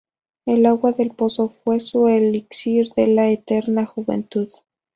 El agua del pozo fue su elixir de la eterna juventud.